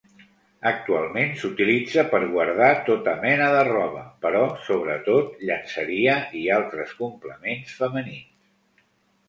Actualment, s'utilitza per guardar tota mena de roba però, sobretot, llenceria i altres complements femenins.